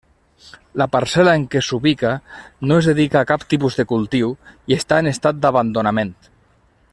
La parcel·la en què s'ubica no es dedica a cap tipus de cultiu i està en estat d'abandonament.